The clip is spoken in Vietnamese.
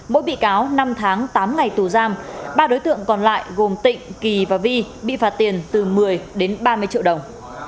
mỗi bị cáo năm tháng tám ngày tù giam ba đối tượng còn lại gồm tịnh kỳ và vi bị phạt tiền từ một mươi đến ba mươi triệu đồng